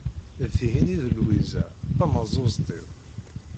D tihin i d Lwiza, tamaẓuẓt-iw.